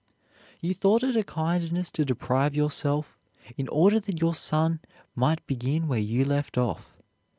You thought it a kindness to deprive yourself in order that your son might begin where you left off.